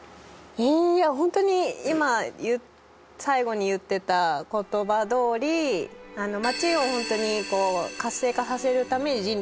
いや本当に今最後に言ってた言葉どおり町を本当に活性化させるために尽力した人で。